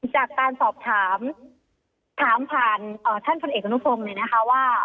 จากการสอบถามถามผ่านท่านพลเอกอนุพงศ์เลยนะคะว่า